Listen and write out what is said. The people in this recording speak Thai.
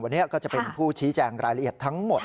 วันนี้ก็จะเป็นผู้ชี้แจงรายละเอียดทั้งหมด